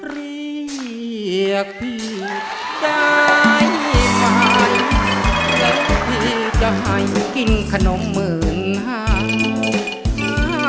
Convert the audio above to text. เรียกพี่ได้ไหมเรียกพี่จะให้กินขนมหมื่นห้าว